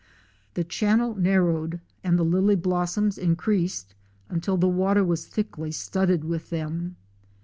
The channel narrowed and the lily blossoms increased until the water was thickly studded with them.